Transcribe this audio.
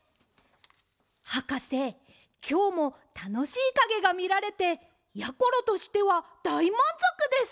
はかせきょうもたのしいかげがみられてやころとしてはだいまんぞくです！